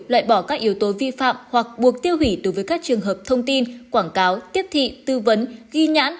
loại bỏ các yếu tố vi phạm hoặc buộc tiêu hủy đối với các trường hợp thông tin quảng cáo tiếp thị tư vấn ghi nhãn